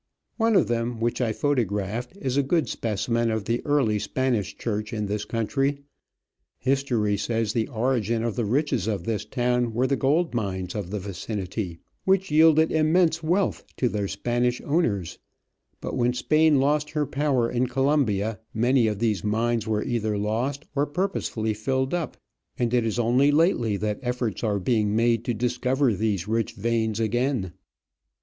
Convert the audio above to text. One of them, which I photographed, is a good specimen of the early Spanish church in this country. History says the origin of the riches of this town were OLD SPANISH CHURCH, SIMITI. the gold mines of the vicinity, which yielded immense wealth to their Spanish owners ; but when Spain lost her power in Colombia many of these mines were either lost or purposely filled up, and it is only lately that efforts are being made to discover these rich veins again.